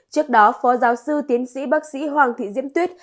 trước đó phó giáo sư tiến sĩ bác sĩ hoàng thị diễm tuyết